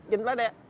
nhìn bao nè